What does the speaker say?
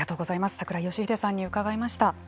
櫻井義秀さんに伺いました。